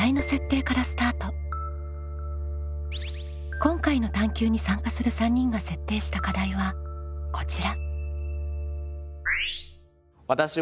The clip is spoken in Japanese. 今回の探究に参加する３人が設定した課題はこちら。